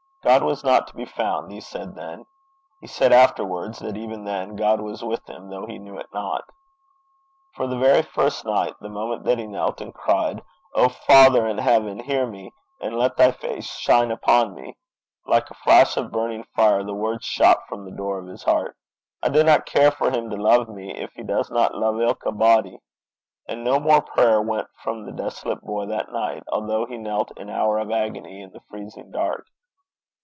God was not to be found, he said then. He said afterwards that even then 'God was with him though he knew it not.' For the very first night, the moment that he knelt and cried, 'O Father in heaven, hear me, and let thy face shine upon me' like a flash of burning fire the words shot from the door of his heart: 'I dinna care for him to love me, gin he doesna love ilka body;' and no more prayer went from the desolate boy that night, although he knelt an hour of agony in the freezing dark.